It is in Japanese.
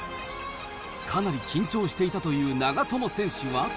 かなり緊張していたという長友選手は。